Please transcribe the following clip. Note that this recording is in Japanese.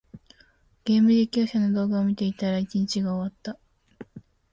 ゲーム実況者の動画を見ていたら、一日が終わった。